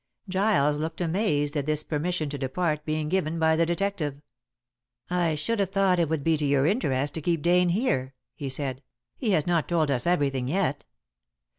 Giles looked amazed at this permission to depart being given by the detective. "I should have thought it would be to your interest to keep Dane here," he said. "He has not told us everything yet."